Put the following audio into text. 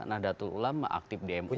nah datul ulama aktif di mui